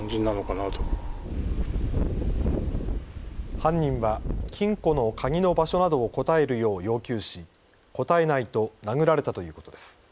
犯人は金庫の鍵の場所などを答えるよう要求し、答えないと殴られたということです。